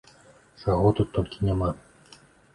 Чаго тут толькі няма!